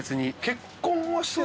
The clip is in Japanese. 結婚。